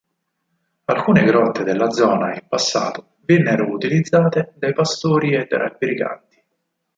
Alcune grotte della zona, in passato, vennero utilizzate dai pastori e dai briganti.